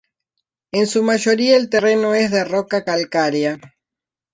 En su mayoría, el terreno es de roca calcárea.